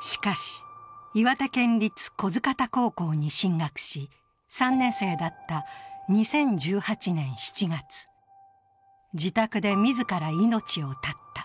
しかし、岩手県立不来方高校に進学し３年生だった２０１８年７月、自宅で自ら命を絶った。